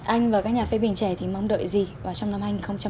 anh và các nhà phê bình trẻ thì mong đợi gì vào trong năm hai nghìn một mươi bảy